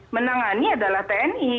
menangani adalah tni